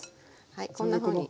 はいこんなふうに。